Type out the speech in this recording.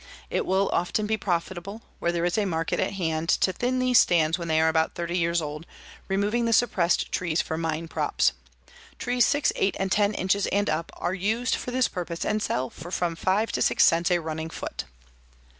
It will often be profitable, where there is a market at hand, to thin these stands when they are about 30 years old, removing the suppressed trees for mine props. Trees 6, 8 and 10 inches and up are used for this purpose, and sell for from 5 to 6 cents a running foot.